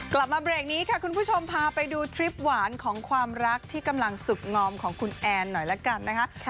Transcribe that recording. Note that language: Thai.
กลับมาเบรกนี้ค่ะคุณผู้ชมพาไปดูทริปหวานของความรักที่กำลังสุดงอมของคุณแอนหน่อยละกันนะคะ